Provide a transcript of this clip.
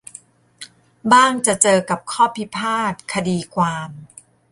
บ้างจะเจอกับข้อพิพาทคดีความ